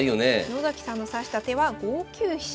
野崎さんの指した手は５九飛車。